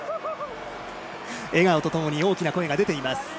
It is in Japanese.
笑顔とともに大きな声が出ています。